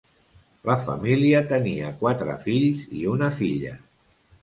La família tenia quatre fills i una filla.